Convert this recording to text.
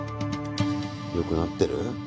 よくなってる？